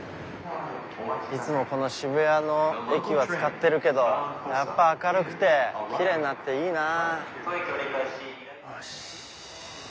いつもこの渋谷の駅は使ってるけどやっぱ明るくてきれいになっていいな。